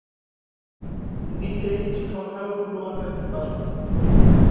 দ্বীপে কিছু সংখ্যালঘু রোমান ক্যাথলিক বাস করতো।